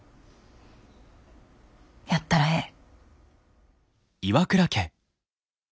やったらええ。